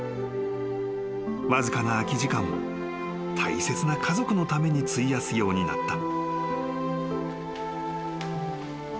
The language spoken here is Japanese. ［わずかな空き時間を大切な家族のために費やすようになった］